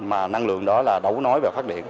mà năng lượng đó là đấu nối và phát điện